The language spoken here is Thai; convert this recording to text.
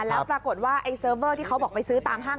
แล้วปรากฏว่าไอ้เซิร์ฟเวอร์ที่เขาบอกไปซื้อตามห้าง